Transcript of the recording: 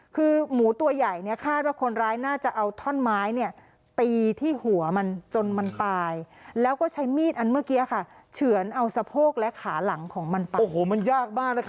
คือมันเป็นเพราะมันตัวใหญ่หรือยังไง